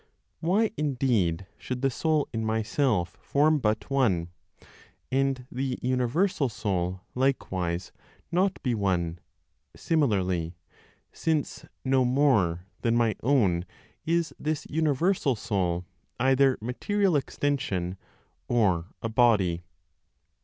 Why indeed should the soul in myself form but one, and the universal (Soul) likewise not be one, similarly, since no more than my own is this universal (Soul) either material extension, or a body?